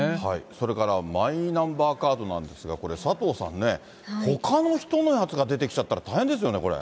それからマイナンバーカードなんですが、これ、佐藤さんね、ほかの人のやつが出てきちゃったら、大変ですよね、これ。